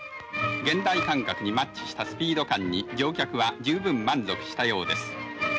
現代感覚にマッチしたスピード感に乗客は十分満足したようです。